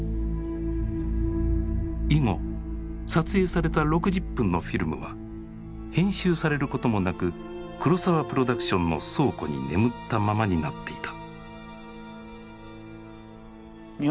以後撮影された６０分のフィルムは編集されることもなく黒澤プロダクションの倉庫に眠ったままになっていた。